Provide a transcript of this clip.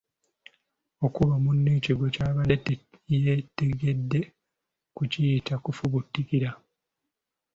Okukuba munno ekigwo ky’abadde teyeetegedde tukiyita Kufubutukira.